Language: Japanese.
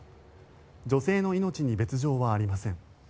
女性の命に別条はありません。